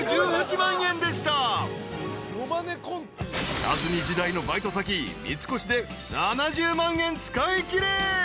［下積み時代のバイト先三越で７０万円使いきれ］